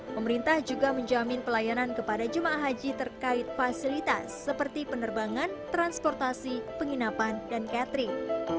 pemerintah juga menjamin pelayanan kepada jemaah haji terkait fasilitas seperti penerbangan transportasi penginapan dan catering